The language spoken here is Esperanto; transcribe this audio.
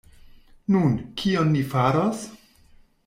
Nun, kion ni faros?